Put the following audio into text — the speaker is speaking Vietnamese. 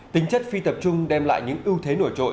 tính chất phi tập trung đem lại những ưu thế nổi trội